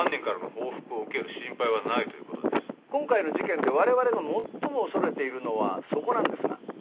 今回の事件でわれわれが最も恐れているのはそこなんですが。